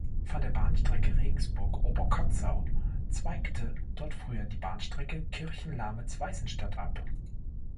Von der Bahnstrecke Regensburg–Oberkotzau zweigte dort früher die Bahnstrecke Kirchenlamitz–Weißenstadt ab.